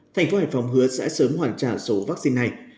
tp hcm hứa sẽ sớm hoàn trả số vaccine này